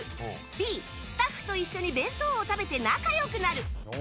Ｂ、スタッフと一緒に弁当を食べて仲良くなる。